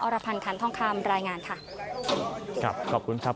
รพันธ์คันทองคำรายงานค่ะครับขอบคุณครับ